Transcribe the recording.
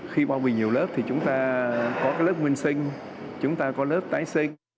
khi bao bì nhiều lớp thì chúng ta có cái lớp nguyên sinh chúng ta có lớp tái sinh